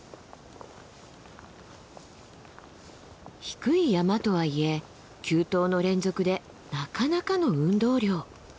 低い山とはいえ急登の連続でなかなかの運動量。